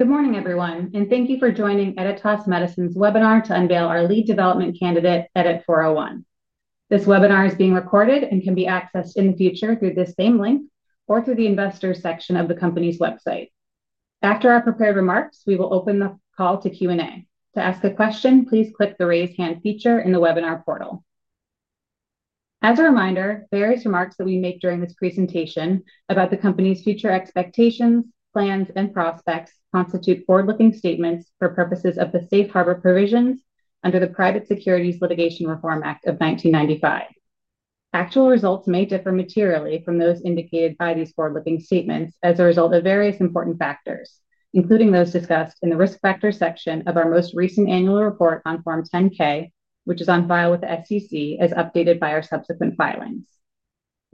Good morning, everyone, and thank you for joining Editas Medicine's webinar to unveil our lead development candidate, EDIT- 401. This webinar is being recorded and can be accessed in the future through this same link or through the Investors section of the company's website. After our prepared remarks, we will open the call to Q&A. To ask a question, please click the Raise Hand feature in the webinar portal. As a reminder, various remarks that we make during this presentation about the company's future expectations, plans, and prospects constitute forward-looking statements for purposes of the Safe Harbor provision under the Private Securities Litigation Reform Act of 1995. Actual results may differ materially from those indicated by these forward-looking statements as a result of various important factors, including those discussed in the Risk Factors section of our most recent annual report on Form 10-K, which is on file with the SEC as updated by our subsequent filing.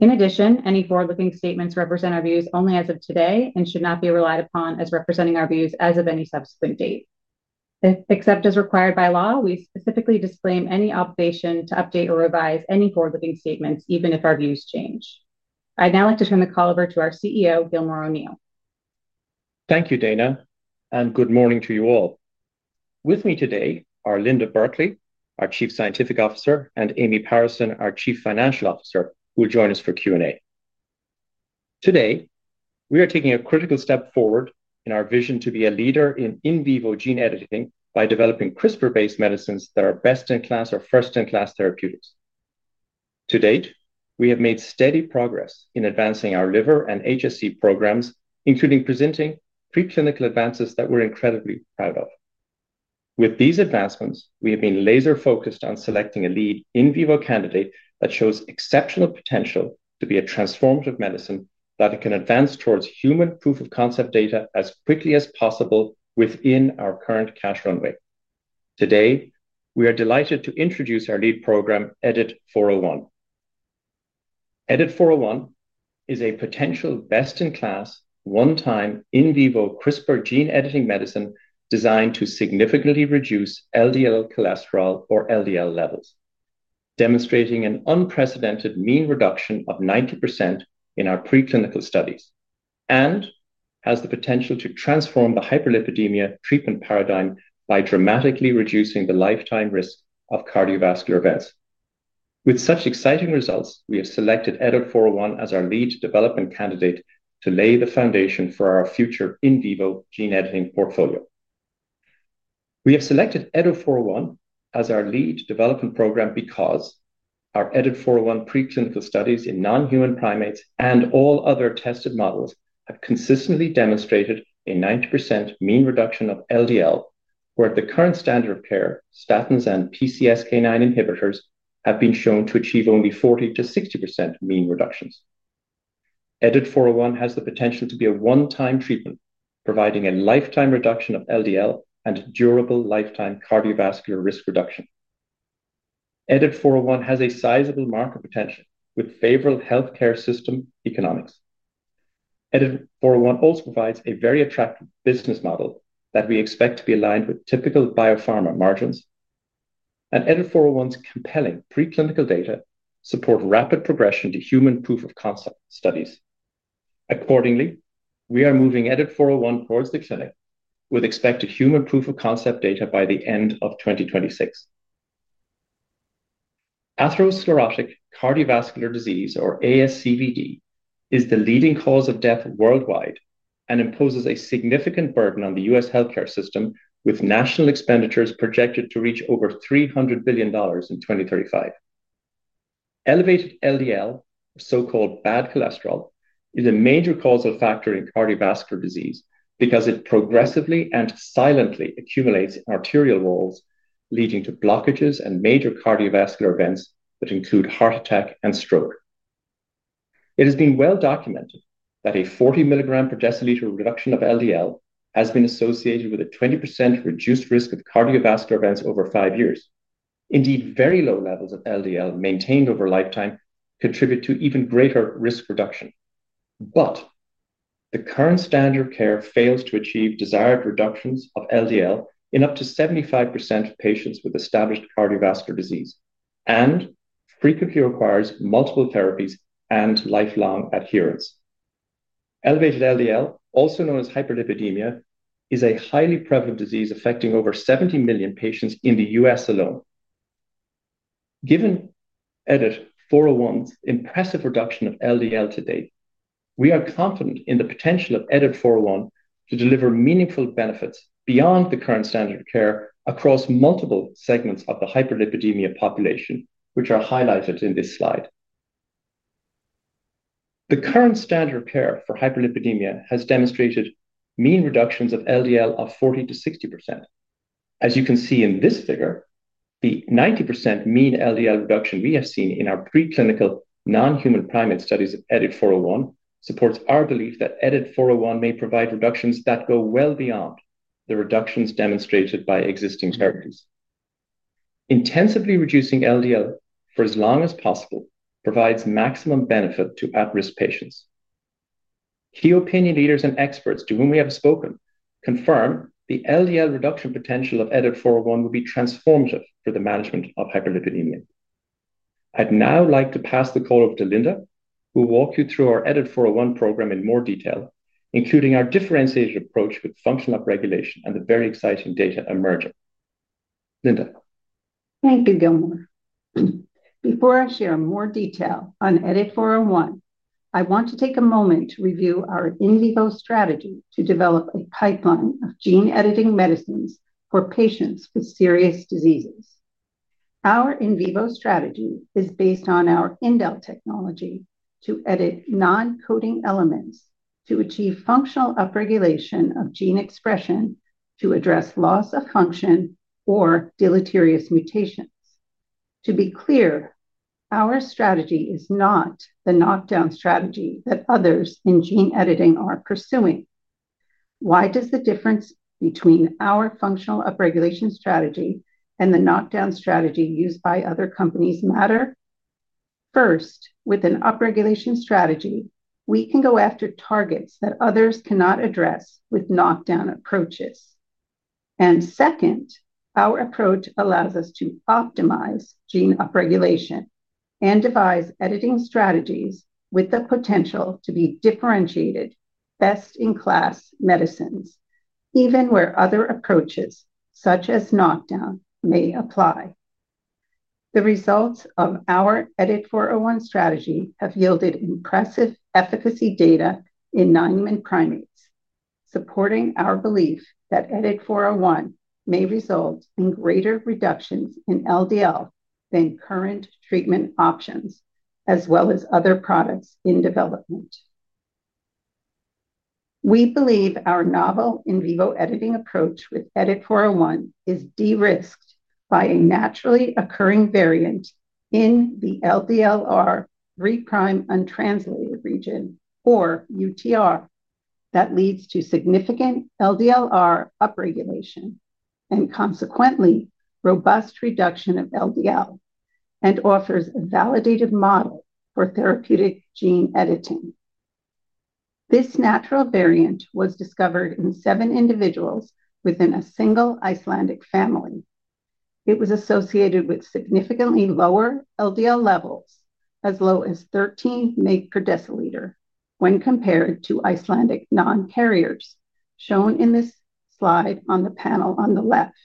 In addition, any forward-looking statements represent our views only as of today and should not be relied upon as representing our views as of any subsequent date. Except as required by law, we specifically disclaim any obligation to update or revise any forward-looking statements, even if our views change. I'd now like to turn the call over to our CEO, Gilmore O’Neill. Thank you, Dana, and good morning to you all. With me today are Linda Burkly, our Chief Scientific Officer, and Amy Parison, our Chief Financial Officer, who will join us for Q&A. Today, we are taking a critical step forward in our vision to be a leader in in vivo gene editing by developing CRISPR-based medicines that are best-in-class or first-in-class therapeutics. To date, we have made steady progress in advancing our liver and HSC programs, including presenting preclinical advances that we're incredibly proud of. With these advancements, we have been laser-focused on selecting a lead in vivo candidate that shows exceptional potential to be a transformative medicine that can advance towards human proof of concept data as quickly as possible within our current cash runway. Today, we are delighted to introduce our lead program, EDIT- 401. EDIT- 401 is a potential best-in-class, one-time, in vivo CRISPR gene- editing medicine designed to significantly reduce LDL cholesterol or LDL levels, demonstrating an unprecedented mean reduction of 90% in our preclinical studies and has the potential to transform the hyperlipidemia treatment paradigm by dramatically reducing the lifetime risk of cardiovascular events. With such exciting results, we have selected EDIT- 401 as our lead development candidate to lay the foundation for our future in vivo gene editing portfolio. We have selected EDIT-401 as our lead development program because our EDIT-401 preclinical studies in non-human primates and all other tested models have consistently demonstrated a 90% mean reduction of LDL, where the current standard of care, statins, and PCSK9 inhibitors, have been shown to achieve only 40%- 60% mean reductions. EDIT-401 has the potential to be a one-time treatment, providing a lifetime reduction of LDL and durable lifetime cardiovascular risk reduction. EDIT-401 has a sizable market potential with favorable healthcare system economics. EDIT-401 also provides a very attractive business model that we expect to be aligned with typical biopharma margins, and EDIT-401's compelling preclinical data support rapid progression to human proof of concept studies. Accordingly, we are moving EDIT-401 towards the clinic with expected human proof of concept data by the end of 2026. Atherosclerotic cardiovascular disease, or ASCVD, is the leading cause of death worldwide and imposes a significant burden on the U.S. healthcare system, with national expenditures projected to reach over $300 billion in 2035. Elevated LDL, or so-called bad cholesterol, is a major causal factor in cardiovascular disease because it progressively and silently accumulates in arterial walls, leading to blockages and major cardiovascular events that include heart attack and stroke. It has been well documented that a 40 mg/dL reduction of LDL has been associated with a 20% reduced risk of cardiovascular events over five years. Indeed, very low levels of LDL maintained over a lifetime contribute to even greater risk reduction. The current standard of care fails to achieve desired reductions of LDL in up to 75% of patients with established cardiovascular disease and frequently requires multiple therapies and lifelong adherence. Elevated LDL, also known as hyperlipidemia, is a highly prevalent disease affecting over 70 million patients in the U.S. alone. Given EDIT-401's impressive reduction of LDL to date, we are confident in the potential of EDIT-401 to deliver meaningful benefits beyond the current standard of care across multiple segments of the hyperlipidemia population, which are highlighted in this slide. The current standard of care for hyperlipidemia has demonstrated mean reductions of LDL of 40%- 60%. As you can see in this figure, the 90% mean LDL reduction we have seen in our preclinical non-human primate studies of EDIT-401 supports our belief that EDIT-401 may provide reductions that go well beyond the reductions demonstrated by existing therapies. Intensively reducing LDL for as long as possible provides maximum benefit to at-risk patients. Key opinion leaders and experts to whom we have spoken confirm the LDL reduction potential of EDIT-401 will be transformative for the management of hyperlipidemia. I'd now like to pass the call over to Linda, who will walk you through our EDIT-401 program in more detail, including our differentiated approach with functional regulation and the very exciting data emerging. Linda. Thank you, Gilmore. Before I share more detail on EDIT-401, I want to take a moment to review our in vivo strategy to develop a pipeline of gene editing medicines for patients with serious diseases. Our in vivo strategy is based on our Indel technology to edit non-coding elements to achieve functional upregulation of gene expression to address loss of function or deleterious mutations. To be clear, our strategy is not the knockdown strategy that others in gene editing are pursuing. Why does the difference between our functional upregulation strategy and the knockdown strategy used by other companies matter? First, with an upregulation strategy, we can go after targets that others cannot address with knockdown approaches. Second, our approach allows us to optimize gene upregulation and devise editing strategies with the potential to be differentiated best-in-class medicines, even where other approaches, such as knockdown, may apply. The results of our EDIT-401 strategy have yielded impressive efficacy data in non-human primates, supporting our belief that EDIT-401 may result in greater reductions in LDL than current treatment options, as well as other products in development. We believe our novel in vivo editing approach with EDIT-401 is de-risked by a naturally occurring variant in the LDLR 3' untranslated region, or UTR, that leads to significant LDLR upregulation and, consequently, robust reduction of LDL and offers a validated model for therapeutic gene editing. This natural variant was discovered in seven individuals within a single Icelandic family. It was associated with significantly lower LDL levels, as low as 13 mg/dL, when compared to Icelandic non-carriers, shown in this slide on the panel on the left.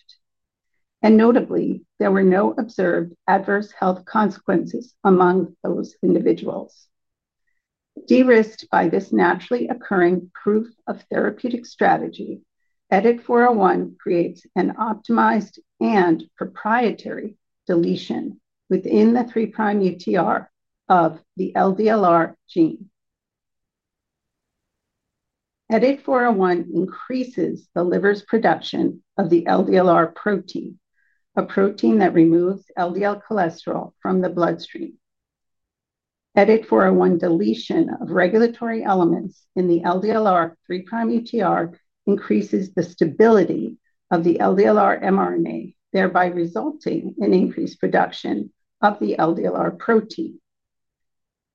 Notably, there were no observed adverse health consequences among those individuals. De-risked by this naturally occurring proof of therapeutic strategy, EDIT-401 creates an optimized and proprietary deletion within the 3' UTR of the LDLR gene. EDIT-401 increases the liver's production of the LDLR protein, a protein that removes LDL cholesterol from the bloodstream. EDIT-401's deletion of regulatory elements in the LDLR 3' UTR increases the stability of the LDLR mRNA, thereby resulting in increased production of the LDLR protein.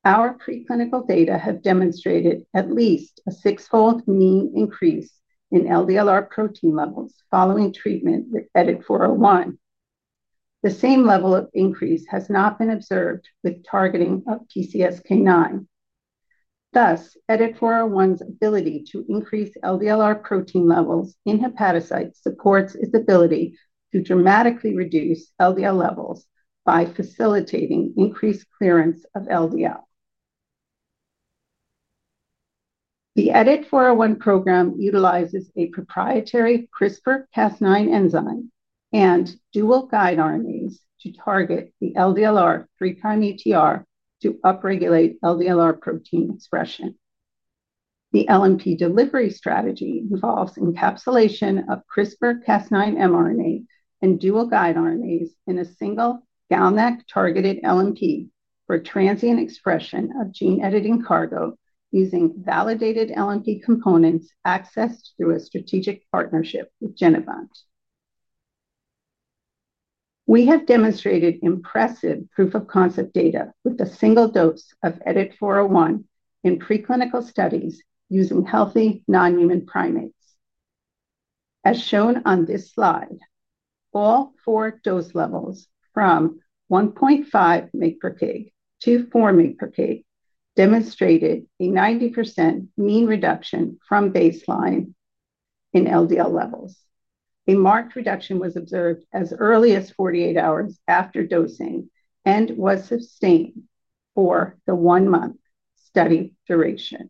Our preclinical data have demonstrated at least a six-fold mean increase in LDLR protein levels following treatment with EDIT-401. The same level of increase has not been observed with targeting of PCSK9. Thus, EDIT-401's ability to increase LDLR protein levels in hepatocytes supports its ability to dramatically reduce LDL levels by facilitating increased clearance of LDL. The EDIT-401 program utilizes a proprietary CRISPR-Cas9 enzyme and dual-guide RNAs to target the LDLR 3' UTR to upregulate LDLR protein expression. The LNP delivery strategy involves encapsulation of CRISPR-Cas9 mRNA and dual-guide RNAs in a single GalNAc-targeted LNP for transient expression of gene editing cargo using validated LNP components accessed through a strategic partnership with Genevant Sciences. We have demonstrated impressive proof of concept data with a single dose of EDIT-401 in preclinical studies using healthy non-human primates. As shown on this slide, all four dose levels from 1.5 mg/kg- 4 mg/kg demonstrated a 90% mean reduction from baseline in LDL levels. A marked reduction was observed as early as 48 hours after dosing and was sustained for the one-month study duration.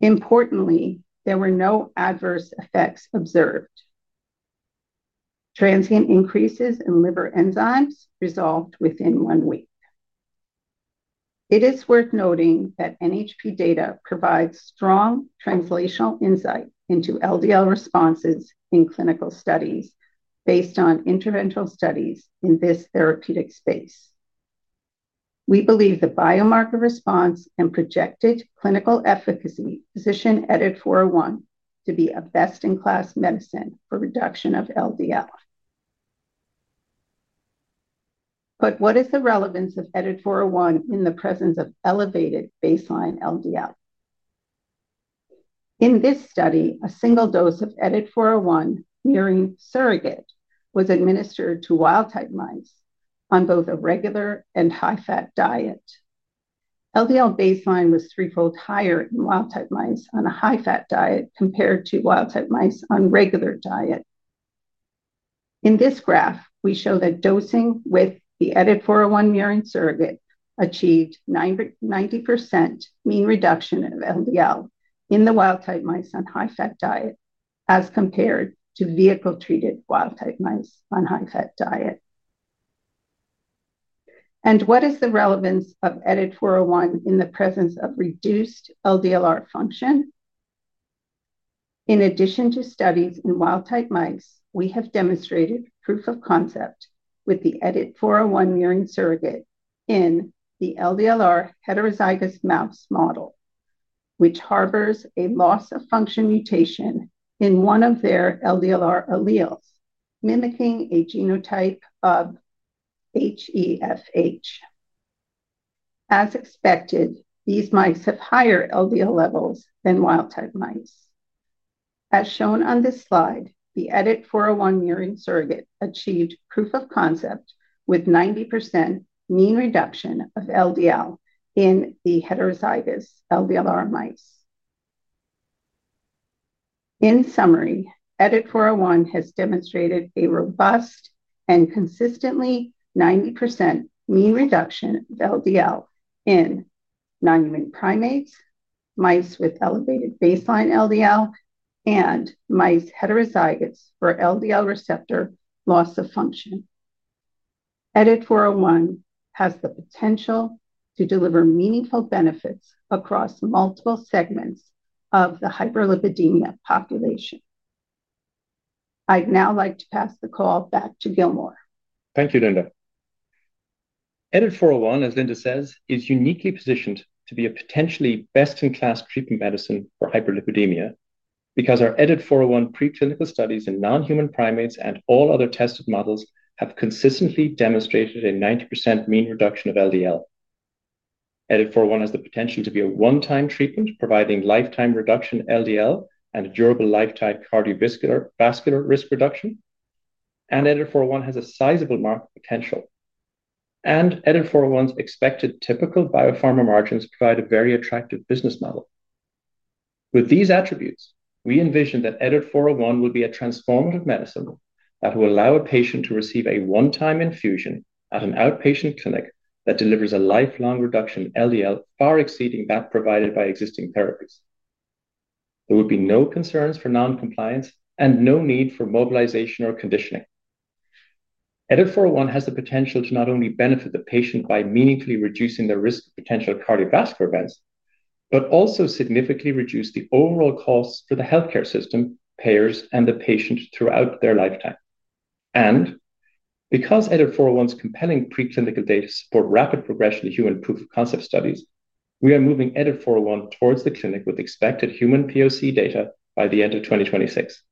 Importantly, there were no adverse effects observed. Transient increases in liver enzymes resolved within one week. It is worth noting that NHP data provides strong translational insight into LDL responses in clinical studies based on interventional studies in this therapeutic space. We believe the biomarker response and projected clinical efficacy position EDIT-401 to be a best-in-class medicine for reduction of LDL. What is the relevance of EDIT-401 in the presence of elevated baseline LDL? In this study, a single dose of EDIT-401 murine surrogate was administered to wild-type mice on both a regular and high-fat diet. LDL baseline was threefold higher in wild-type mice on a high-fat diet compared to wild-type mice on a regular diet. In this graph, we show that dosing with the EDIT-401 murine surrogate achieved 90% mean reduction of LDL in the wild-type mice on a high-fat diet as compared to vehicle-treated wild-type mice on a high-fat diet. What is the relevance of EDIT-401 in the presence of reduced LDLR function? In addition to studies in wild-type mice, we have demonstrated proof of concept with the EDIT-401 murine surrogate in the LDLR heterozygous mouse model, which harbors a loss of function mutation in one of their LDLR alleles, mimicking a genotype of HeFH. As expected, these mice have higher LDL levels than wild-type mice. As shown on this slide, the EDIT-401 murine surrogate achieved proof of concept with 90% mean reduction of LDL in the heterozygous LDLR mice. In summary, EDIT-401 has demonstrated a robust and consistently 90% mean reduction of LDL in non-human primates, mice with elevated baseline LDL, and mice heterozygous for LDL receptor loss of function. EDIT-401 has the potential to deliver meaningful benefits across multiple segments of the hyperlipidemia population. I'd now like to pass the call back to Gilmore. Thank you, Linda. EDIT-401, as Linda says, is uniquely positioned to be a potentially best-in-class treatment medicine for hyperlipidemia because our EDIT-401 preclinical studies in non-human primates and all other tested models have consistently demonstrated a 90% mean reduction of LDL. EDIT-401 has the potential to be a one-time treatment, providing lifetime reduction in LDL and durable lifetime cardiovascular risk reduction, and EDIT-401 has a sizable market potential. EDIT-401's expected typical biopharma margins provide a very attractive business model. With these attributes, we envision that EDIT-401 will be a transformative medicine that will allow a patient to receive a one-time infusion at an outpatient clinic that delivers a lifelong reduction in LDL, far exceeding that provided by existing therapies. There will be no concerns for noncompliance and no need for mobilization or conditioning. EDIT-401 has the potential to not only benefit the patient by meaningfully reducing their risk of potential cardiovascular events, but also significantly reduce the overall cost to the healthcare system, payers, and the patient throughout their lifetime. Because EDIT-401's compelling preclinical data support rapid progression to human proof of concept studies, we are moving EDIT-401 towards the clinic with expected human POC data by the end of 2026.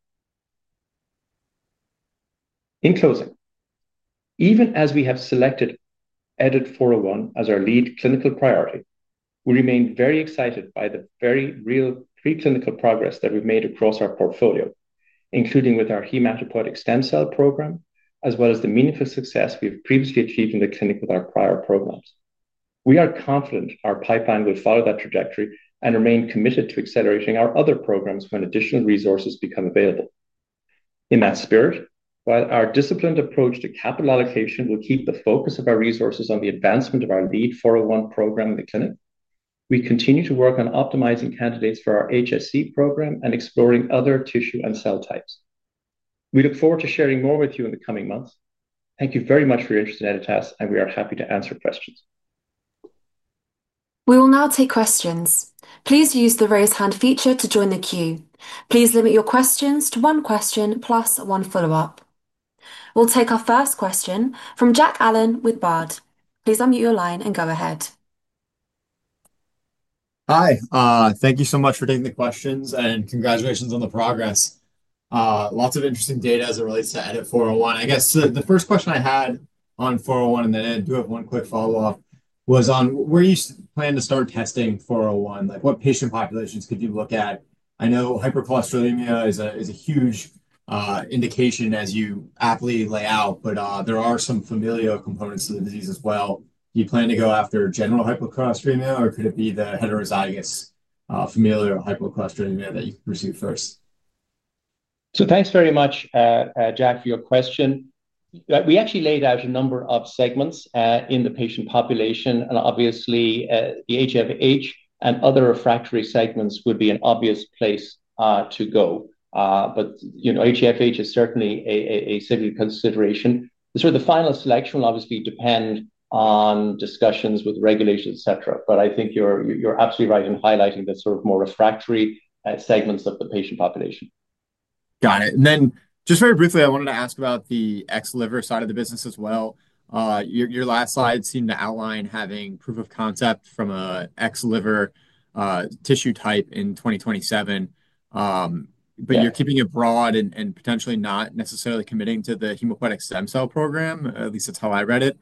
In closing, even as we have selected EDIT-401 as our lead clinical priority, we remain very excited by the very real preclinical progress that we've made across our portfolio, including with our hematopoietic stem cell program, as well as the meaningful success we have previously achieved in the clinic with our prior programs. We are confident our pipeline will follow that trajectory and remain committed to accelerating our other programs when additional resources become available. In that spirit, while our disciplined approach to capital allocation will keep the focus of our resources on the advancement of our lead 401 program in the clinic, we continue to work on optimizing candidates for our HSC program and exploring other tissue and cell types. We look forward to sharing more with you in the coming months. Thank you very much for your interest in Editas, and we are happy to answer questions. We will now take questions. Please use the Raise Hand feature to join the queue. Please limit your questions to one question plus one follow-up. We'll take our first question from Jack Allen with Baird. Please unmute your line and go ahead. Hi. Thank you so much for taking the questions, and congratulations on the progress. Lots of interesting data as it relates to EDIT-401. I guess the first question I had on 401, and then I do have one quick follow-up, was on where you plan to start testing 401. Like, what patient populations could you look at? I know hypercholesterolemia is a huge indication as you aptly lay out, but there are some familial components to the disease as well. Do you plan to go after general hypercholesterolemia, or could it be the heterozygous familial hypercholesterolemia that you pursue first? Thank you very much, Jack, for your question. We actually laid out a number of segments in the patient population, and obviously, the HeFH and other refractory segments would be an obvious place to go. HeFH is certainly a significant consideration. The final selection will obviously depend on discussions with regulation, etc. I think you're absolutely right in highlighting the more refractory segments of the patient population. Got it. Very briefly, I wanted to ask about the ex-liver side of the business as well. Your last slide seemed to outline having proof of concept from an ex-liver tissue type in 2027. You're keeping it broad and potentially not necessarily committing to the hematopoietic stem cell program. At least that's how I read it.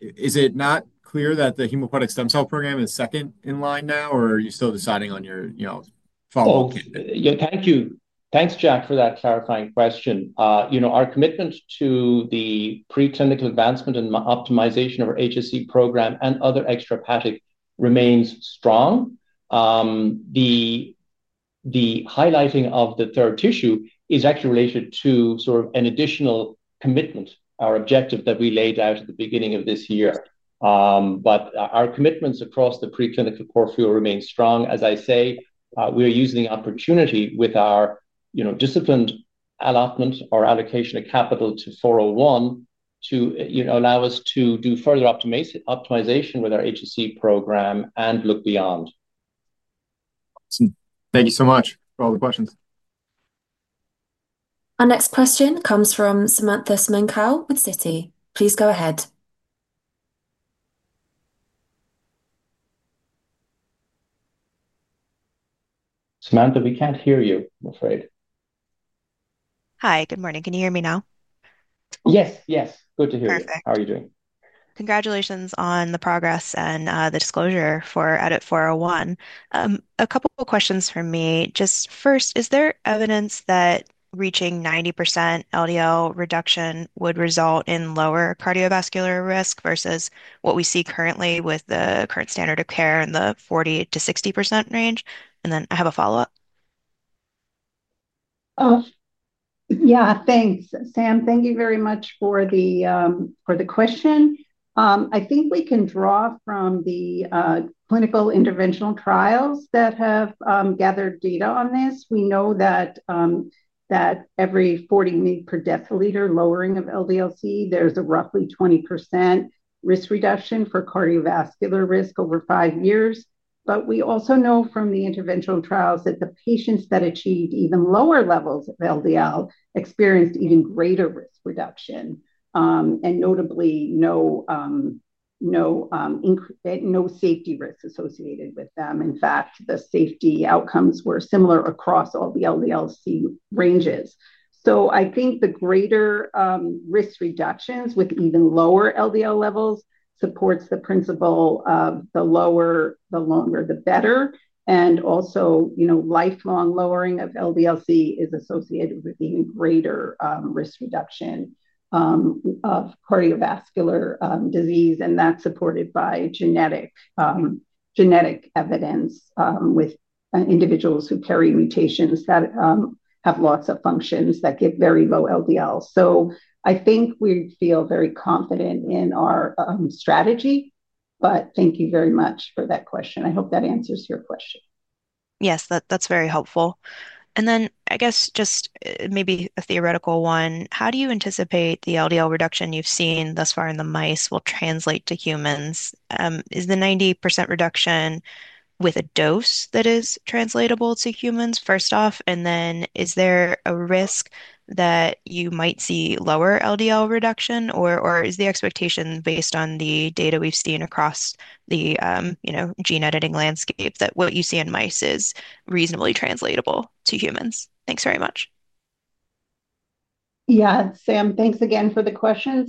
Is it not clear that the hematopoietic stem cell program is second in line now, or are you still deciding on your follow-up? Thank you. Thanks, Jack, for that clarifying question. Our commitment to the preclinical advancement and optimization of our HSC program and other extra-hepatic remains strong. The highlighting of the third tissue is actually related to sort of an additional commitment, our objective that we laid out at the beginning of this year. Our commitments across the preclinical portfolio remain strong. As I say, we're using the opportunity with our disciplined allotment or allocation of capital to 401 to allow us to do further optimization with our HSC program and look beyond. Thank you so much for all the questions. Our next question comes from Samantha Semenkow with Citi. Please go ahead. Samantha, we can't hear you, I'm afraid. Hi. Good morning. Can you hear me now? Yes, yes. Good to hear you. Perfect. How are you doing? Congratulations on the progress and the disclosure for EDIT-401. A couple of questions from me. First, is there evidence that reaching 90% LDL reduction would result in lower cardiovascular risk versus what we see currently with the current standard of care in the 40%- 60% range? I have a follow-up. Yeah, thanks, Sam. Thank you very much for the question. I think we can draw from the clinical interventional trials that have gathered data on this. We know that every 40 mg/dL lowering of LDL-C, there's a roughly 20% risk reduction for cardiovascular risk over five years. We also know from the interventional trials that the patients that achieved even lower levels of LDL experienced even greater risk reduction and notably no safety risks associated with them. In fact, the safety outcomes were similar across all the LDL-C ranges. I think the greater risk reductions with even lower LDL levels support the principle of the lower, the longer, the better. Also, you know, lifelong lowering of LDL-C is associated with even greater risk reduction of cardiovascular disease, and that's supported by genetic evidence with individuals who carry mutations that have loss of functions that get very low LDL. I think we feel very confident in our strategy. Thank you very much for that question. I hope that answers your question. Yes, that's very helpful. I guess just maybe a theoretical one. How do you anticipate the LDL reduction you've seen thus far in the mice will translate to humans? Is the 90% reduction with a dose that is translatable to humans, first off? Is there a risk that you might see lower LDL reduction? Is the expectation based on the data we've seen across the gene editing landscape that what you see in mice is reasonably translatable to humans? Thanks very much. Yeah, Sam, thanks again for the question.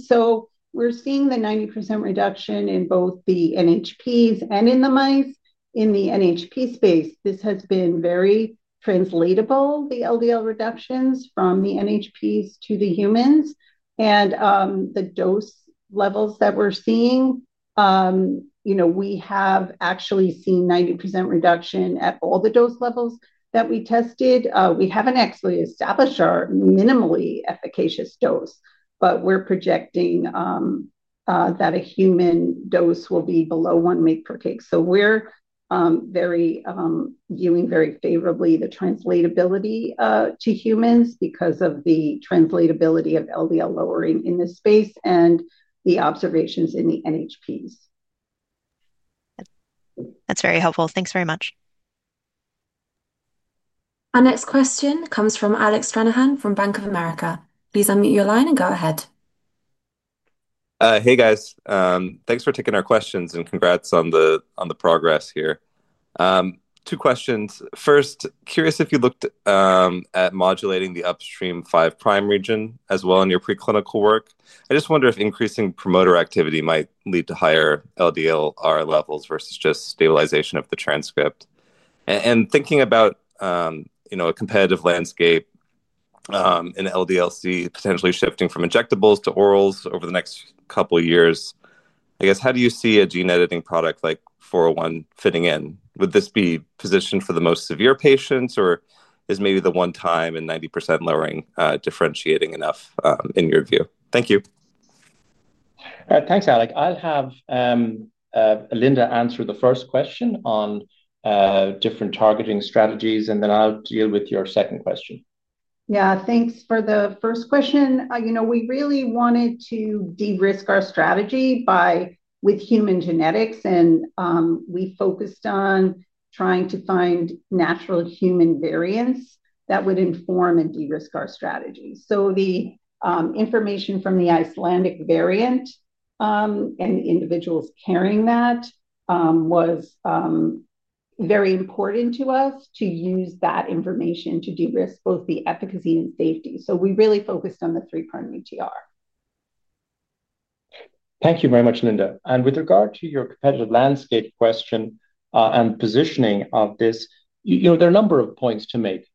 We're seeing the 90% reduction in both the NHPs and in the mice. In the NHP space, this has been very translatable, the LDL reductions from the NHPs to the humans. The dose levels that we're seeing, you know, we have actually seen 90% reduction at all the dose levels that we tested. We haven't actually established our minimally efficacious dose, but we're projecting that a human dose will be below 1 mg/kg. We're viewing very favorably the translatability to humans because of the translatability of LDL lowering in this space and the observations in the NHP. That's very helpful. Thanks very much. Our next question comes from Alec Stranahan from Bank of America. Please unmute your line and go ahead. Hey, guys. Thanks for taking our questions and congrats on the progress here. Two questions. First, curious if you looked at modulating the upstream 5' region as well in your preclinical work. I just wonder if increasing promoter activity might lead to higher LDLR levels versus just stabilization of the transcript. Thinking about a competitive landscape in LDL-C potentially shifting from injectables to orals over the next couple of years, I guess how do you see a gene editing product like EDIT-401 fitting in? Would this be positioned for the most severe patients, or is maybe the one-time and 90% lowering differentiating enough in your view? Thank you. Thanks, Alex. I'll have Linda answer the first question on different targeting strategies, and then I'll deal with your second question. Yeah, thanks for the first question. We really wanted to de-risk our strategy with human genetics, and we focused on trying to find natural human variants that would inform and de-risk our strategy. The information from the Icelandic variant and individuals carrying that was very important to us to use that information to de-risk both the efficacy and safety. We really focused on the 3' UTR. Thank you very much, Linda. With regard to your competitive landscape question and positioning of this, there are a number of points to make.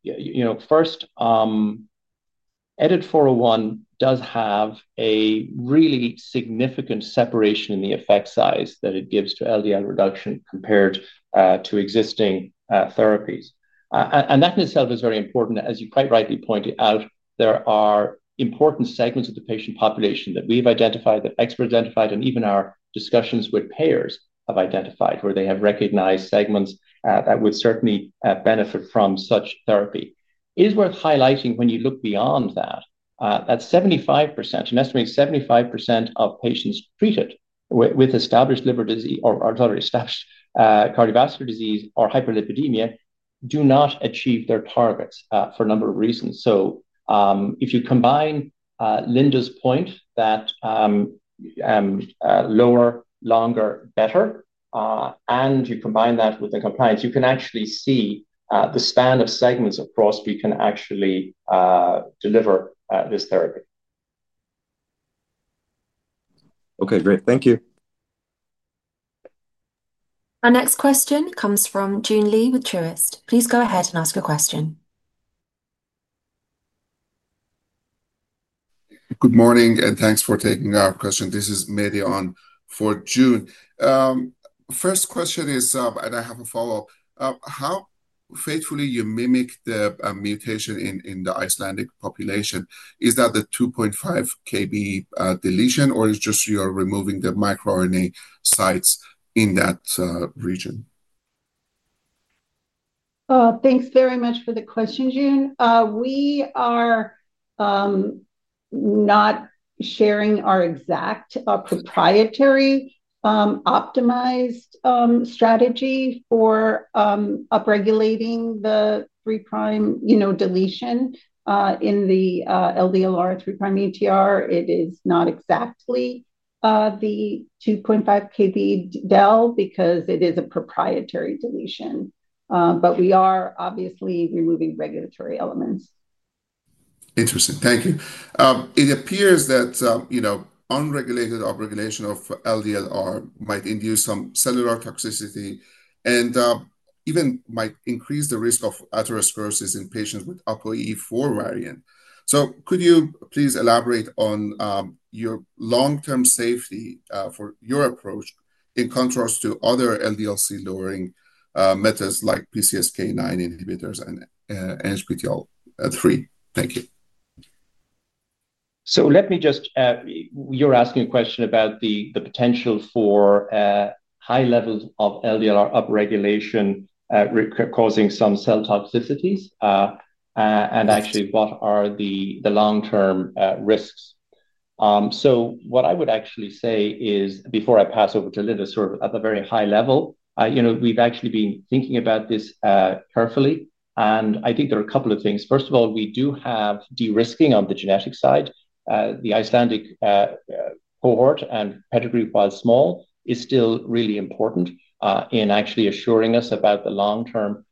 First, EDIT-401 does have a really significant separation in the effect size that it gives to LDL reduction compared to existing therapies, and that in itself is very important. As you quite rightly pointed out, there are important segments of the patient population that we've identified, that experts identified, and even our discussions with payers have identified where they have recognized segments that would certainly benefit from such therapy. It is worth highlighting when you look beyond that, that 75%, an estimated 75% of patients treated with established liver disease or already established cardiovascular disease or hyperlipidemia do not achieve their targets for a number of reasons. If you combine Linda's point that lower, longer, better, and you combine that with the compliance, you can actually see the span of segments across who can actually deliver this therapy. OK, great. Thank you. Our next question comes from Joon Lee with Truist. Please go ahead and ask a question. Good morning, and thanks for taking our question. This is Mehdi on for June. First question is, and I have a follow-up. How faithfully you mimic the mutation in the Icelandic population, is that the 2.5 kb deletion, or is it just you are removing the microRNA sites in that region? Thanks very much for the question, Joon. We are not sharing our exact proprietary optimized strategy for upregulating the 3' deletion in the LDLR 3' UTR. It is not exactly the 2.5 kb del because it is a proprietary deletion, but we are obviously removing regulatory elements. Interesting. Thank you. It appears that, you know, unregulated upregulation of LDLR might induce some cellular toxicity and even might increase the risk of atherosclerosis in patients with APOE4 variant. Could you please elaborate on your long-term safety for your approach in contrast to other LDL-C lowering methods like PCSK9 inhibitors and SGLT3? Thank you. Let me just, you're asking a question about the potential for high levels of LDLR upregulation causing some cell toxicities and actually what are the long-term risks. What I would actually say is, before I pass over to Linda, at the very high level, we've actually been thinking about this carefully. I think there are a couple of things. First of all, we do have de-risking on the genetic side. The Icelandic cohort and pedigree, while small, is still really important in actually assuring us about the long-term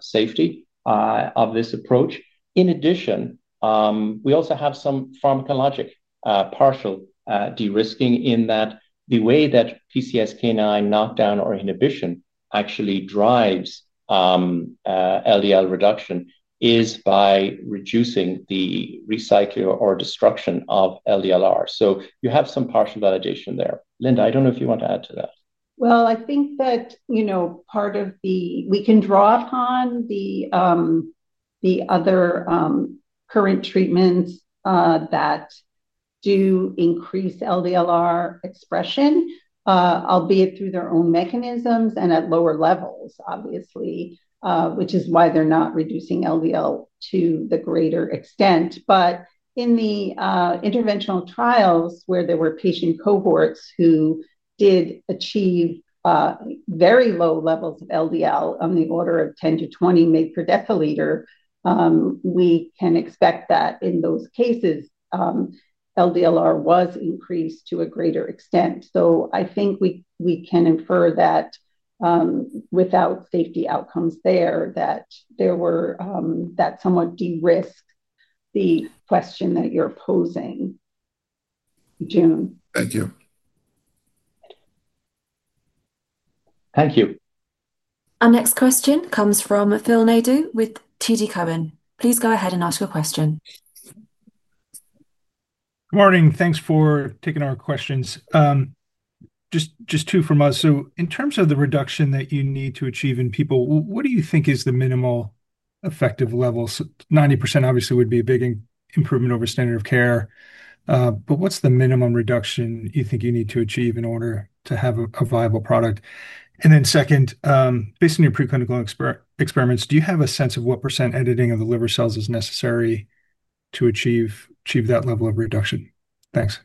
safety of this approach. In addition, we also have some pharmacologic partial de-risking in that the way that PCSK9 knockdown or inhibition actually drives LDL reduction is by reducing the recycling or destruction of LDLR. You have some partial validation there. Linda, I don't know if you want to add to that. I think that, you know, part of the, we can draw upon the other current treatments that do increase LDLR expression, albeit through their own mechanisms and at lower levels, obviously, which is why they're not reducing LDL to the greater extent. In the interventional trials where there were patient cohorts who did achieve very low levels of LDL, on the order of 10 mg/dL- 20 mg/dL, we can expect that in those cases, LDLR was increased to a greater extent. I think we can infer that without safety outcomes there, that there were, that somewhat de-risked the question that you're posing, Joon. Thank you. Thank you. Our next question comes from Phil Nadeau with TD Cowen. Please go ahead and ask your question. Morning. Thanks for taking our questions. Just two from us. In terms of the reduction that you need to achieve in people, what do you think is the minimal effective level? 90% obviously would be a big improvement over standard of care. What's the minimum reduction you think you need to achieve in order to have a viable product? Second, based on your preclinical experiments, do you have a sense of what percent editing of the liver cells is necessary to achieve that level of reduction? Thanks.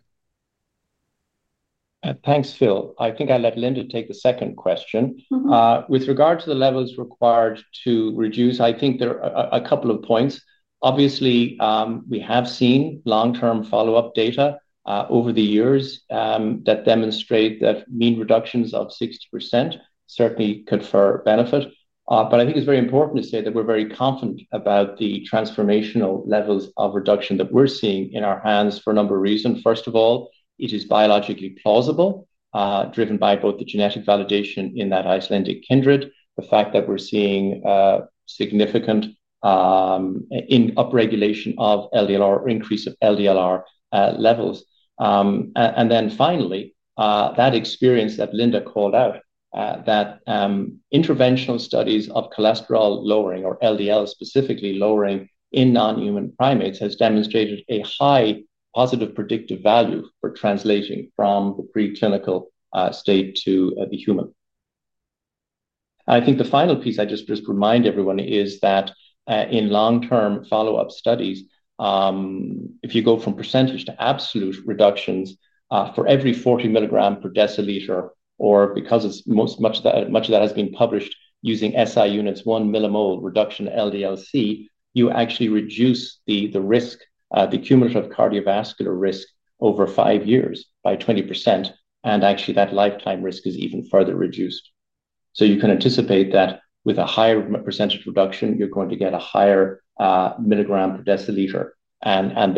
Thanks, Phil. I think I'll let Linda take the second question. With regard to the levels required to reduce, I think there are a couple of points. Obviously, we have seen long-term follow-up data over the years that demonstrate that mean reductions of 60% certainly could further benefit. I think it's very important to say that we're very confident about the transformational levels of reduction that we're seeing in our hands for a number of reasons. First of all, it is biologically plausible, driven by both the genetic validation in that Icelandic kindred, the fact that we're seeing significant upregulation of LDLR or increase of LDLR levels. Finally, that experience that Linda called out, that interventional studies of cholesterol lowering or LDL specifically lowering in non-human primates has demonstrated a high positive predictive value for translating from the preclinical state to the human. I think the final piece I just remind everyone is that in long-term follow-up studies, if you go from percentage to absolute reductions for every 40 mg/dL, or because much of that has been published using SI units, 1 mmol reduction LDL-C, you actually reduce the risk, the cumulative cardiovascular risk over five years by 20%. Actually, that lifetime risk is even further reduced. You can anticipate that with a higher percentage reduction, you're going to get a higher mg/dL.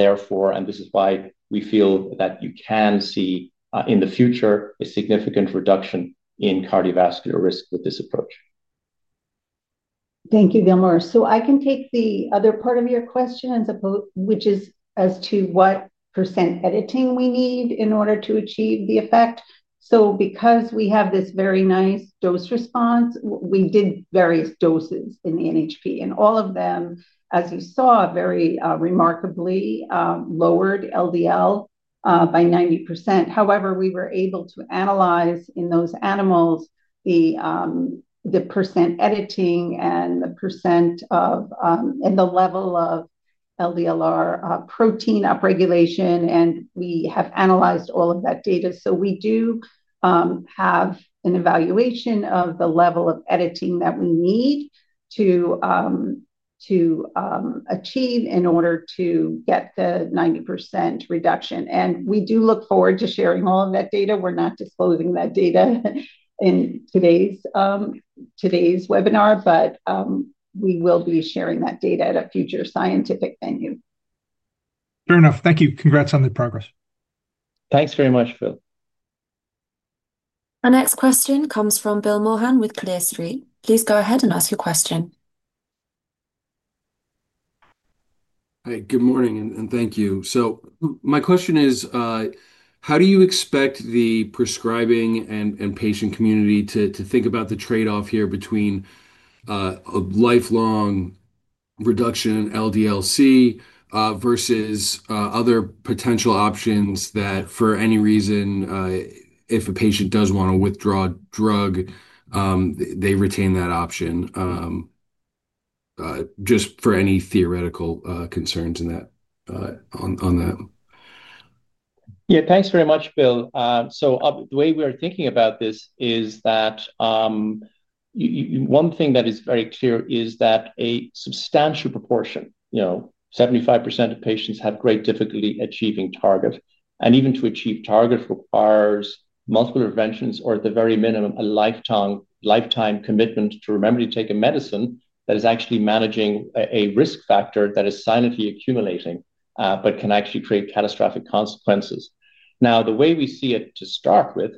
Therefore, this is why we feel that you can see in the future a significant reduction in cardiovascular risk with this approach. Thank you, Gilmore. I can take the other part of your question, which is as to what percent editing we need in order to achieve the effect. Because we have this very nice dose response, we did various doses in the NHP. All of them, as you saw, very remarkably lowered LDL by 90%. However, we were able to analyze in those animals the percent editing and the percent of the level of LDLR protein upregulation. We have analyzed all of that data. We do have an evaluation of the level of editing that we need to achieve in order to get the 90% reduction. We do look forward to sharing all of that data. We're not disclosing that data in today's webinar, but we will be sharing that data at a future scientific venue. Fair enough. Thank you. Congrats on the progress. Thanks very much, Phil. Our next question comes from Bill Maughan with Clear Street. Please go ahead and ask your question. Good morning, and thank you. My question is, how do you expect the prescribing and patient community to think about the trade-off here between a lifelong reduction in LDL-C versus other potential options that, for any reason, if a patient does want to withdraw a drug, they retain that option? Just for any theoretical concerns on that. Yeah, thanks very much, Bill. The way we are thinking about this is that one thing that is very clear is that a substantial proportion, you know, 75% of patients have great difficulty achieving targets. Even to achieve targets requires multiple interventions or, at the very minimum, a lifetime commitment to remember to take a medicine that is actually managing a risk factor that is silently accumulating but can actually create catastrophic consequences. The way we see it to start with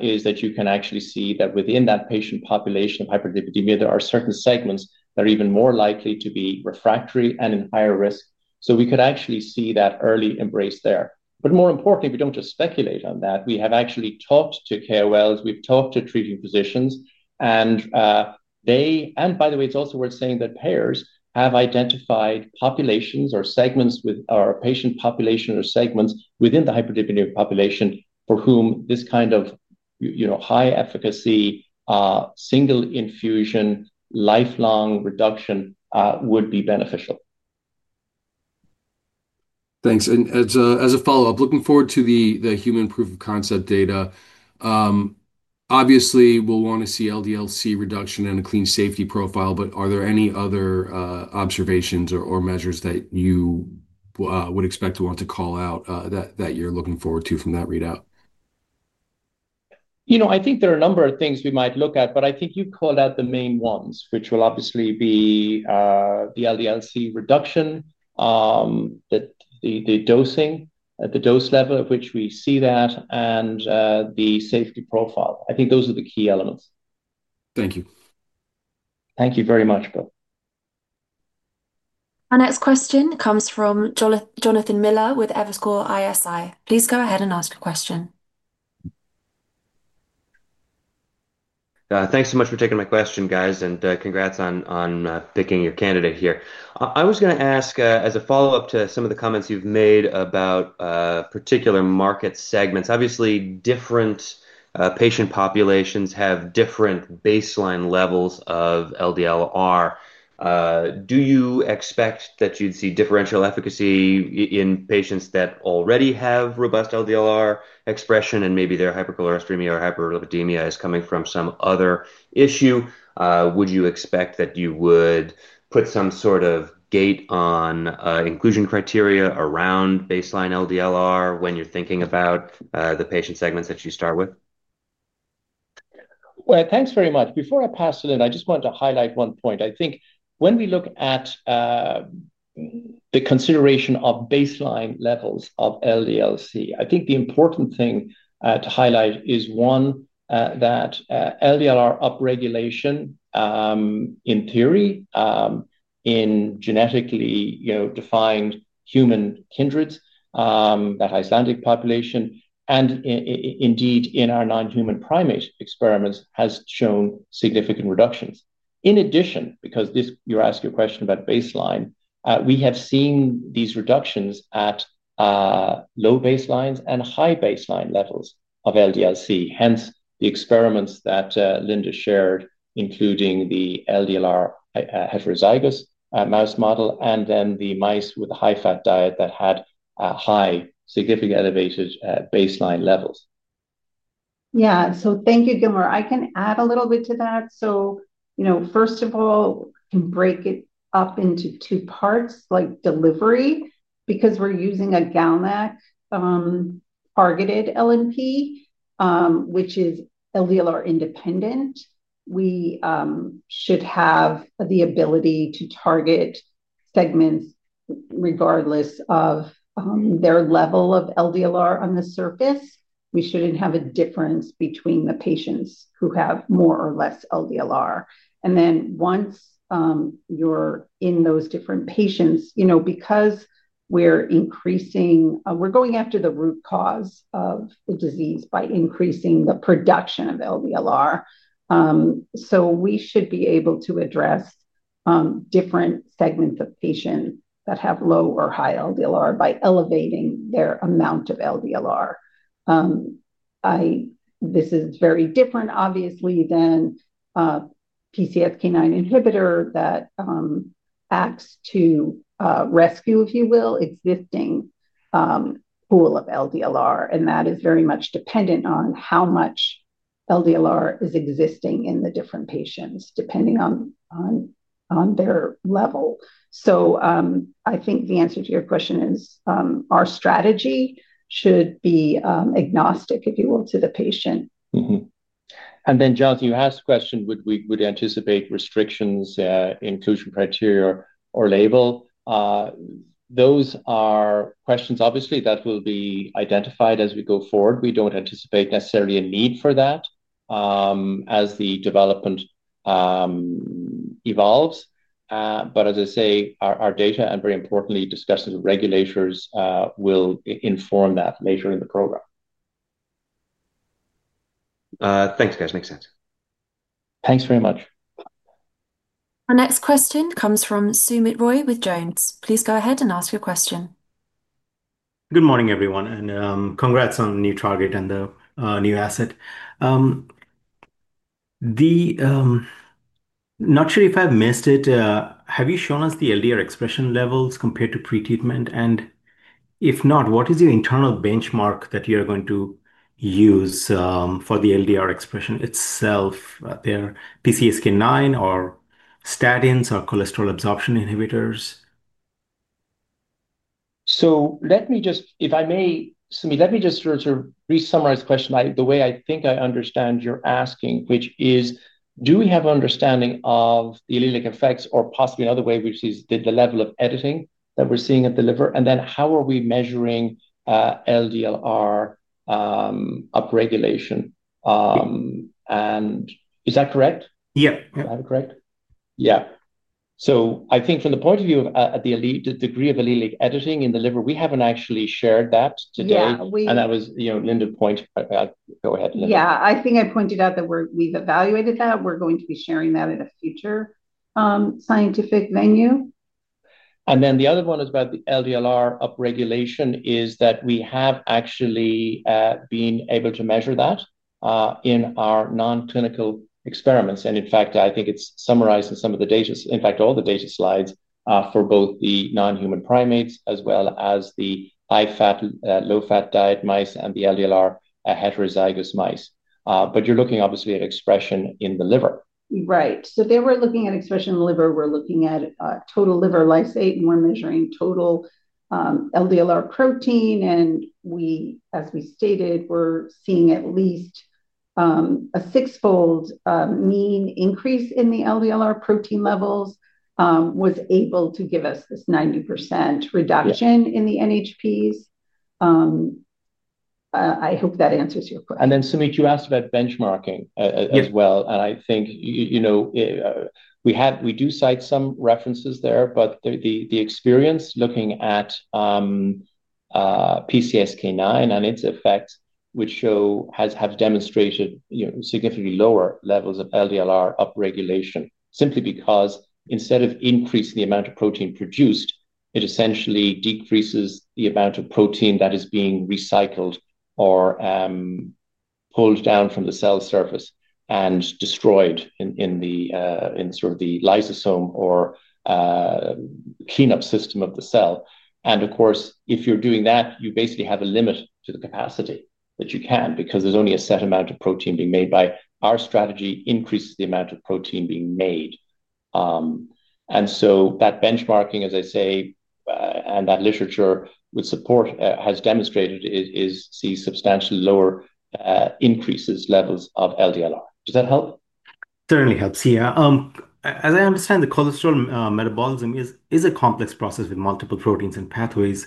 is that you can actually see that within that patient population of hyperlipidemia, there are certain segments that are even more likely to be refractory and in higher risk. We could actually see that early embrace there. More importantly, if we don't just speculate on that, we have actually talked to KOLs. We've talked to treating physicians. By the way, it's also worth saying that payers have identified populations or segments with our patient population or segments within the hyperlipidemia population for whom this kind of high efficacy single infusion lifelong reduction would be beneficial. Thanks. As a follow-up, looking forward to the human proof of concept data, obviously, we'll want to see LDL-C reduction and a clean safety profile. Are there any other observations or measures that you would expect to want to call out that you're looking forward to from that readout? You know, I think there are a number of things we might look at, but I think you've called out the main ones, which will obviously be the LDL-C reduction, the dosing at the dose level at which we see that, and the safety profile. I think those are the key elements. Thank you. Thank you very much, Bill. Our next question comes from Jonathan Miller with Evercore ISI. Please go ahead and ask your question. Thanks so much for taking my question, guys, and congrats on picking your candidate here. I was going to ask, as a follow-up to some of the comments you've made about particular market segments, obviously, different patient populations have different baseline levels of LDLR. Do you expect that you'd see differential efficacy in patients that already have robust LDLR expression and maybe their hypercholesterolemia or hyperlipidemia is coming from some other issue? Would you expect that you would put some sort of gate on inclusion criteria around baseline LDLR when you're thinking about the patient segments that you start with? Thank you very much. Before I pass it in, I just wanted to highlight one point. I think when we look at the consideration of baseline levels of LDL-C, the important thing to highlight is, one, that LDLR upregulation, in theory, in genetically- defined human kindreds, that Icelandic population, and indeed in our non-human primate experiments has shown significant reductions. In addition, because you're asking a question about baseline, we have seen these reductions at low baselines and high baseline levels of LDL-C. Hence, the experiments that Linda shared, including the LDLR heterozygous mouse model and then the mice with a high-fat diet that had high, significantly elevated baseline levels. Yeah, thank you, Gilmore. I can add a little bit to that. First of all, you can break it up into two parts, like delivery. Because we're using a GalNAc-targeted LNP, which is LDLR independent, we should have the ability to target segments regardless of their level of LDLR on the surface. We shouldn't have a difference between the patients who have more or less LDLR. Once you're in those different patients, because we're increasing, we're going after the root cause of the disease by increasing the production of LDLR. We should be able to address different segments of patients that have low or high LDLR by elevating their amount of LDLR. This is very different, obviously, than a PCSK9 inhibitor that acts to rescue, if you will, existing pool of LDLR. That is very much dependent on how much LDLR is existing in the different patients, depending on their level. I think the answer to your question is our strategy should be agnostic, if you will, to the patient. John, you asked a question, would we anticipate restrictions in inclusion criteria or label? Those are questions, obviously, that will be identified as we go forward. We don't anticipate necessarily a need for that as the development evolves. As I say, our data and, very importantly, discussing with regulators will inform that measure in the program. Thanks, guys. Makes sense. Thanks very much. Our next question comes from Soumit Roy with Jones. Please go ahead and ask your question. Good morning, everyone. Congrats on the new target and the new asset. Not sure if I've missed it. Have you shown us the LDLR expression levels compared to pre-treatment? If not, what is your internal benchmark that you're going to use for the LDLR expression itself? Are they PCSK9 or statins or cholesterol absorption inhibitors? Let me just resummarize the question the way I think I understand you're asking, which is, do we have an understanding of the allelic effects or possibly another way we see the level of editing that we're seeing at the liver? How are we measuring LDLR upregulation? Is that correct? Yeah. Is that correct? Yeah. I think from the point of view of the degree of allelic editing in the liver, we haven't actually shared that today. Yeah, we. That was, you know, Linda pointed out. Go ahead, Linda. Yeah, I think I pointed out that we've evaluated that. We're going to be sharing that at a future scientific venue. The other one is about the LDLR upregulation, is that we have actually been able to measure that in our non-clinical experiments. In fact, I think it's summarizing some of the data, in fact, all the data slides for both the non-human primates as well as the high-fat, low-fat diet mice and the LDLR heterozygous mice. You're looking obviously at expression in the liver. Right. There, we're looking at expression in the liver. We're looking at total liver lysate, and we're measuring total LDLR protein. As we stated, we're seeing at least a six-fold mean increase in the LDLR protein levels, which was able to give us this 90% reduction in the NHPs. I hope that answers your question. Sumit, you asked about benchmarking as well. I think, you know, we do cite some references there, but the experience looking at PCSK9 and its effects, which have demonstrated significantly lower levels of LDLR upregulation simply because instead of increasing the amount of protein produced, it essentially decreases the amount of protein that is being recycled or pulled down from the cell surface and destroyed in the lysosome or clean-up system of the cell. If you're doing that, you basically have a limit to the capacity that you can because there's only a set amount of protein being made. By our strategy, increase the amount of protein being made. That benchmarking, as I say, and that literature, which support has demonstrated, is seeing substantially lower increases levels of LDLR. Does that help? Certainly helps, yeah. As I understand, the cholesterol metabolism is a complex process with multiple proteins and pathways.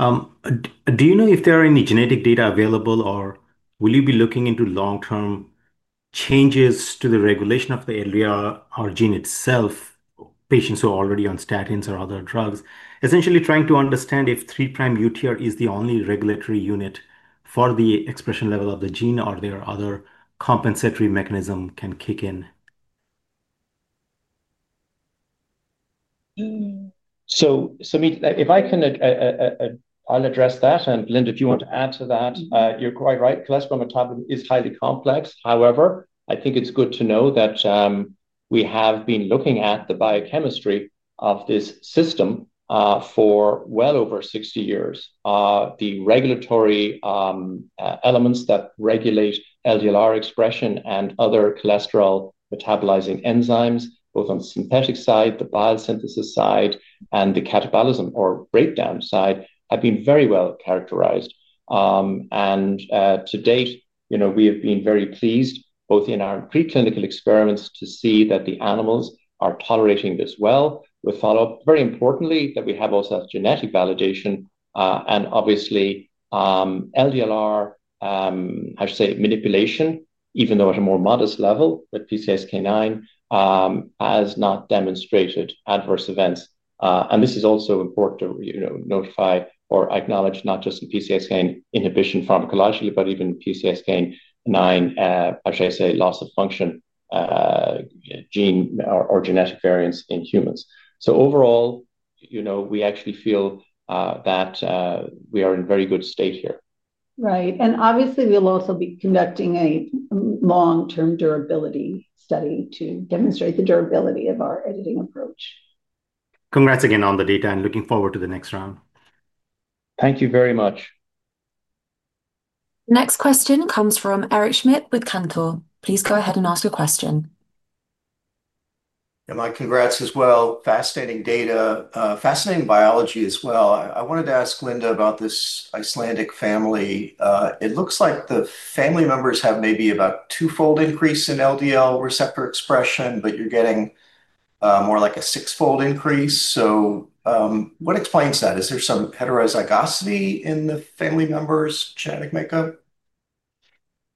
Do you know if there are any genetic data available, or will you be looking into long-term changes to the regulation of the LDLR or gene itself, patients who are already on statins or other drugs? Essentially, trying to understand if 3' UTR is the only regulatory unit for the expression level of the gene, or there are other compensatory mechanisms that can kick in. If I can, I'll address that. Linda, if you want to add to that, you're quite right. Cholesterol metabolism is highly complex. However, I think it's good to know that we have been looking at the biochemistry of this system for well over 60 years. The regulatory elements that regulate LDLR expression and other cholesterol metabolizing enzymes, both on the synthetic side, the biosynthesis side, and the catabolism or breakdown side, have been very well characterized. To date, we have been very pleased both in our preclinical experiments to see that the animals are tolerating this well. We'll follow up, very importantly, that we have also genetic validation. Obviously, LDLR manipulation, even though at a more modest level with PCSK9, has not demonstrated adverse events. This is also important to notify or acknowledge not just the PCSK9 inhibition pharmacology, but even PCSK9 loss of function gene or genetic variants in humans. Overall, we actually feel that we are in a very good state here. Right. Obviously, we'll also be conducting a long-term durability study to demonstrate the durability of our editing approach. Congrats again on the data, and looking forward to the next round. Thank you very much. Next question comes from Eric Schmidt with Cantor. Please go ahead and ask your question. Yeah, my congrats as well. Fascinating data, fascinating biology as well. I wanted to ask Linda about this Icelandic family. It looks like the family members have maybe about a two-fold increase in LDL receptor expression, but you're getting more like a six-fold increase. What explains that? Is there some heterozygosity in the family members' g enetic makeup?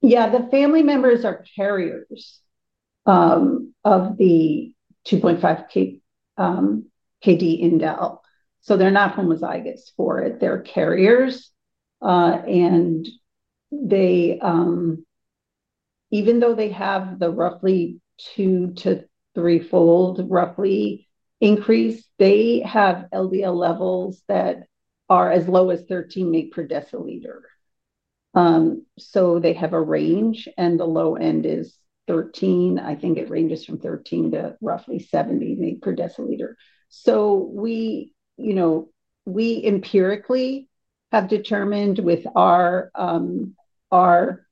Yeah, the family members are carriers of the 2.5 kB Indel. They're not homozygous for it. They're carriers. Even though they have the roughly two to three-fold roughly increase, they have LDL levels that are as low as 13 mg/dL. They have a range, and the low end is 13 mg/dL. I think it ranges from 13 mg/dL to roughly 70 mg/dL. We empirically have determined with our optimized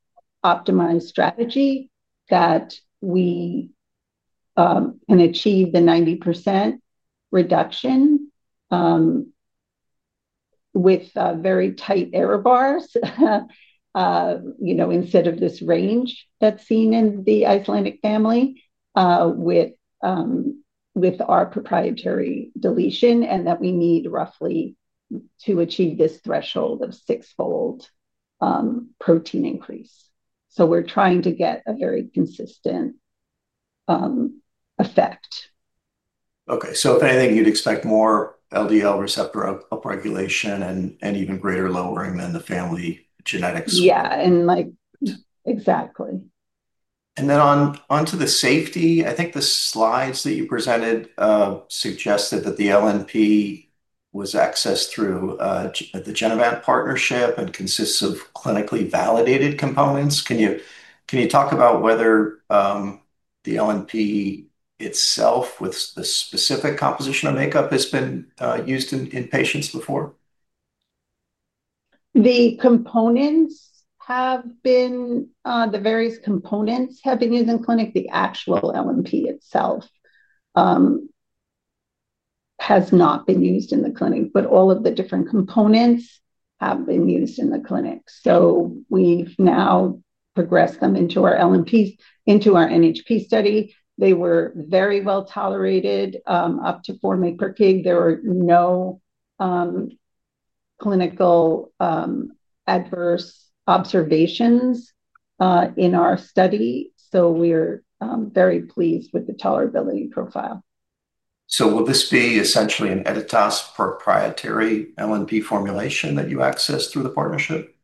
strategy that we can achieve the 90% reduction with very tight error bars, instead of this range that's seen in the Icelandic family with our proprietary deletion, and that we need roughly to achieve this threshold of six-fold protein increase. We're trying to get a very consistent effect. OK, if anything, you'd expect more LDL receptor upregulation and even greater lowering than the family genetics. Yeah, exactly. On the safety, I think the slides that you presented suggested that the LNP was accessed through the Genevant partnership and consists of clinically validated components. Can you talk about whether the LNP itself with the specific composition or makeup has been used in patients before? The various components have been used in the clinic. The actual LNP itself has not been used in the clinic, but all of the different components have been used in the clinic. We have now progressed them into our LNPs, into our NHP study. They were very well tolerated up to 4 mg/kg. There were no clinical adverse observations in our study. We are very pleased with the tolerability profile. Will this be essentially an Editas proprietary LNP formulation that you access through the partnership?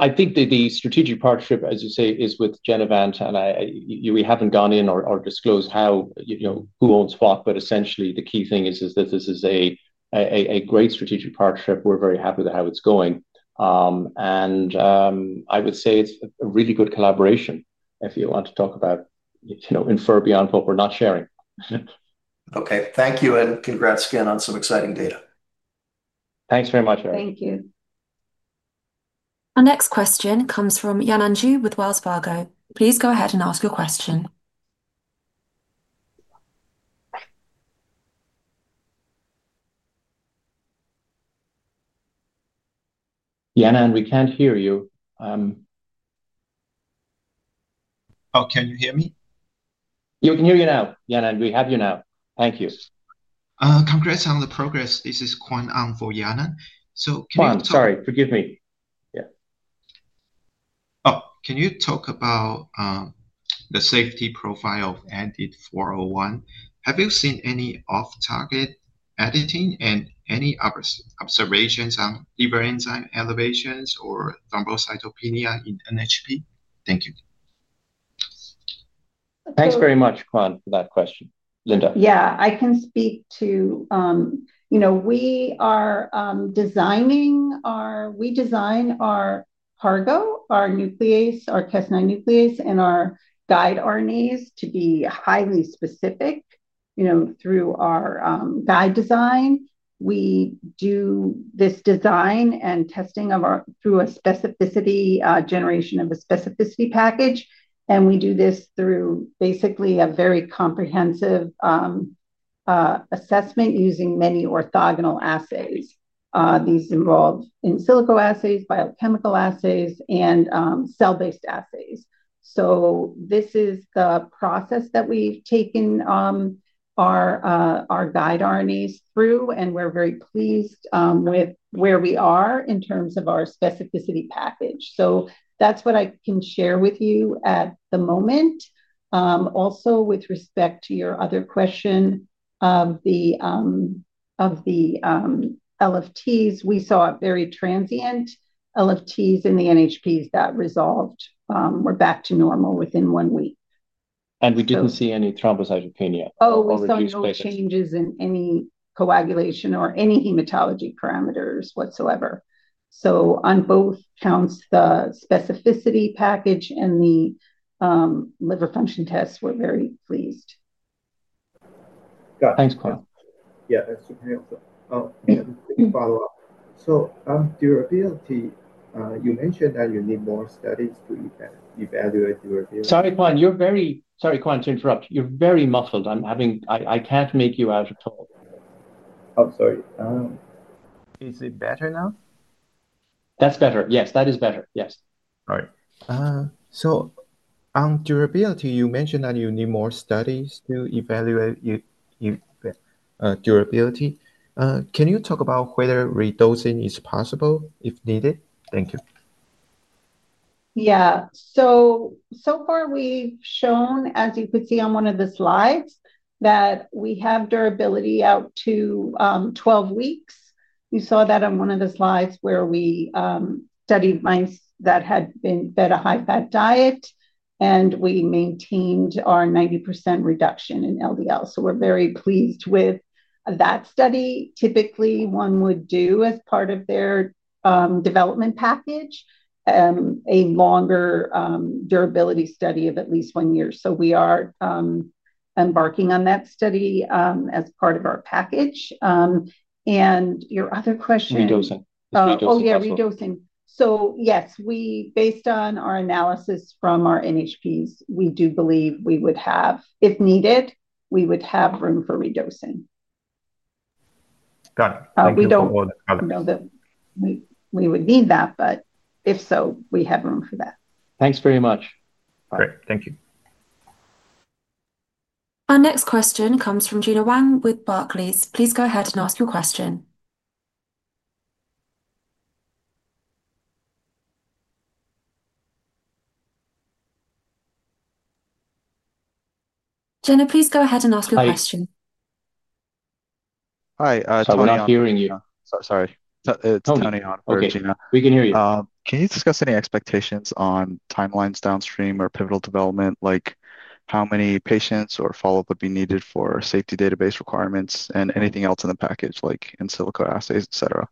I think that the strategic partnership, as you say, is with Genevant. We haven't gone in or disclosed how, you know, who owns what. Essentially, the key thing is that this is a great strategic partnership. We're very happy with how it's going. I would say it's a really good collaboration if you want to talk about, you know, infer beyond what we're not sharing. OK, thank you. Congrats again on some exciting data. Thanks very much, Eric. Thank you. Our next question comes from Yanan Zhu with Wells Fargo. Please go ahead and ask your question. Yanaan, we can't hear you. Oh. Can you hear me? You can hear me now. Yanan, we have you now. Thank you. Congrats on the progress. This is Quan Ang for Yanan. Sorry, forgive me. Yeah. Oh, can you talk about the safety profile of EDIT-401? Have you seen any off-target editing and any other observations on liver enzyme elevations or thrombocytopenia in NHP? Thank you. Thanks very much, Quan, for that question. Linda. Yeah, I can speak to, you know, we are designing our, we design our cargo, our nuclease, our Cas9 nuclease, and our guide RNAs to be highly specific, you know, through our guide design. We do this design and testing of our through a specificity generation of a specificity package. We do this through basically a very comprehensive assessment using many orthogonal assays. These involve in silico assays, biochemical assays, and cell-based assays. This is the process that we've taken our guide RNAs through. We're very pleased with where we are in terms of our specificity package. That's what I can share with you at the moment. Also, with respect to your other question of the LFTs, we saw very transient LFTs in the NHPs that resolved. We're back to normal within one week. We didn't see any thrombocytopenia. We saw no changes in any coagulation or any hematology parameters whatsoever. On both counts, the specificity package and the liver function tests, we're very pleased. Got it. Thanks, Quan. Yeah, that's super helpful. Yeah, follow-up. Durability, you mentioned that you need more studies to evaluate durability. Sorry, Quan, to interrupt. You're very muffled. I can't make you out. Oh, sorry. Is it better now? That's better. Yes, that is better. Yes. All right. On durability, you mentioned that you need more studies to evaluate your durability. Can you talk about whether redosing is possible if needed? Thank you. So far we've shown, as you could see on one of the slides, that we have durability out to 12 weeks. You saw that on one of the slides where we studied mice that had been fed a high-fat diet, and we maintained our 90% reduction in LDL. We're very pleased with that study. Typically, one would do as part of their development package a longer durability study of at least one year. We are embarking on that study as part of our package. Your other question. Redosing. Oh, yeah, redosing. Yes, we, based on our analysis from our NHPs, we do believe we would have, if needed, we would have room for redosing. Got it. I don't know that we would need that, but if so, we have room for that. Thanks very much. Great. Thank you. Our next question comes from Gena Wang with Barclays. Please go ahead and ask your question. Hi. Hello. We're not hearing you. Sorry. It's on and off. We can hear you. Can you discuss any expectations on timelines downstream or pivotal development, like how many patients or follow-up would be needed for safety database requirements and anything else in the package, like in silico assays, et cetera?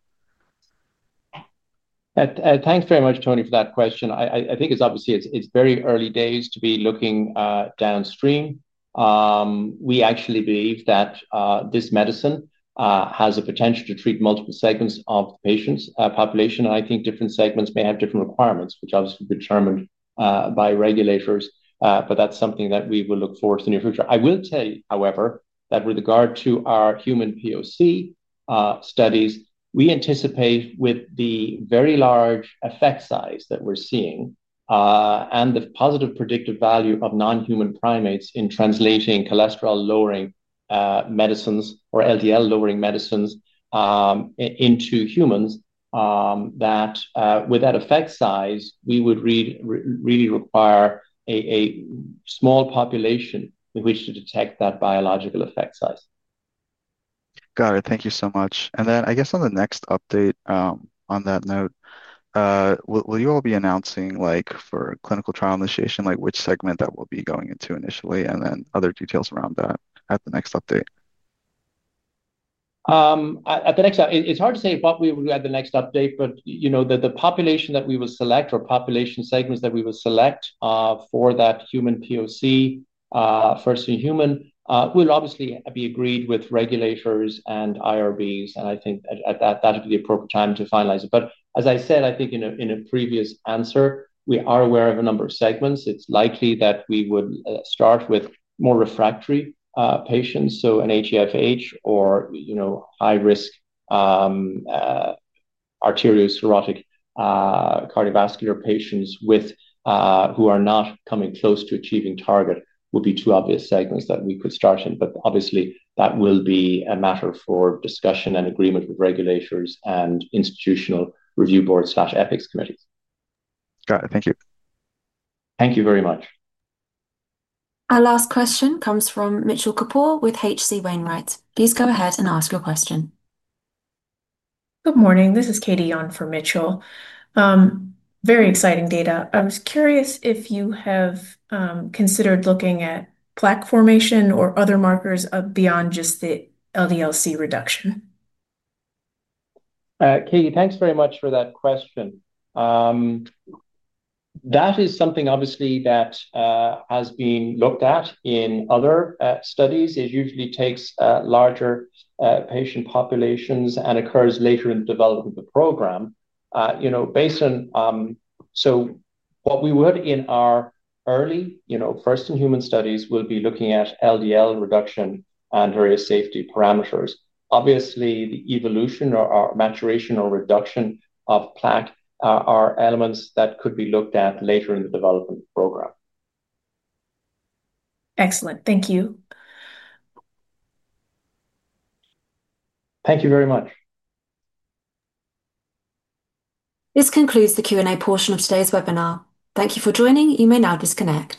Thanks very much, Tony, for that question. I think it's obviously very early days to be looking downstream. We actually believe that this medicine has a potential to treat multiple segments of the patient population. I think different segments may have different requirements, which obviously are determined by regulators. That's something that we will look forward to in the near future. I will tell you, however, that with regard to our human POC studies, we anticipate with the very large effect size that we're seeing and the positive predictive value of non-human primates in translating cholesterol-lowering medicines or LDL-lowering medicines into humans, that with that effect size, we would really require a small population in which to detect that biological effect size. Got it. Thank you so much. I guess on the next update on that note, will you all be announcing, for clinical trial initiation, which segment that we'll be going into initially and then other details around that at the next update? It's hard to say what we will do at the next update. You know the population that we will select or population segments that we will select for that human POC, first in human, will obviously be agreed with regulators and IRBs. I think that would be the appropriate time to finalize it. As I said, I think in a previous answer, we are aware of a number of segments. It's likely that we would start with more refractory patients, so an HeFH or high-risk arterials cardiovascular patients patients who are not coming close to achieving target would be two obvious segments that we could start in. That will be a matter for discussion and agreement with regulators and institutional review boards/ethics committees. Got it. Thank you. Thank you very much. Our last question comes from Mitchell Kapoor with H.C. Wainwright. Please go ahead and ask your question. Good morning. This is Katie Yon from Mitchell. Very exciting data. I was curious if you have considered looking at plaque formation or other markers beyond just the LDL-C reduction. Katie, thanks very much for that question. That is something obviously that has been looked at in other studies. It usually takes larger patient populations and occurs later in the development of the program. Based on what we would in our early, first in human studies, we would be looking at LDL reduction and various safety parameters. Obviously, the evolution or maturation or reduction of plaque are elements that could be looked at later in the development program. Excellent. Thank you. Thank you very much. This concludes the Q&A portion of today's webinar. Thank you for joining. You may now disconnect.